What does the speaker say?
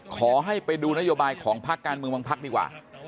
ขอให้ไปดูนโยบายของพักการเมืองบางพักดีกว่า